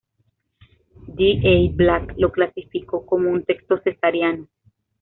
D. A. Black lo clasificó como un texto cesariano.